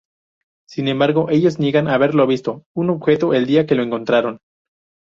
Sin embargo, ellos niegan haberlo visto un objeto el día que lo encontraron.